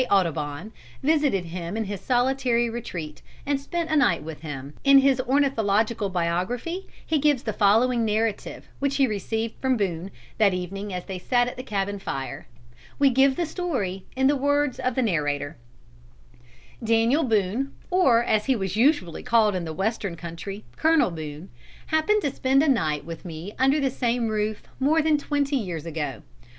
Audubon, visited him in his solitary retreat, and spent a night with him. In his Ornithological Biography he gives the following narrative which he received from Boone, that evening as they sat at the cabin fire. We give the story in the words of the narrator: "Daniel Boone, or as he was usually called in the Western country, Colonel Boone, happened to spend a night with me under the same roof, more than twenty years ago.